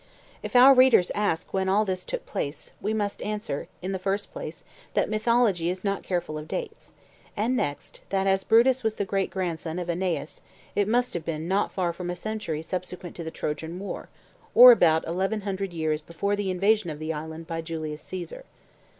If our readers ask when all this took place, we must answer, in the first place, that mythology is not careful of dates; and next, that, as Brutus was the great grandson of Aeneas, it must have been not far from a century subsequent to the Trojan war, or about eleven hundred years before the invasion of the island by Julius Caesar.